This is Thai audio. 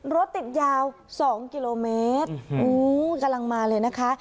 รถติดยาว๒กิโลเมตรกำลังมาเลยนะคะ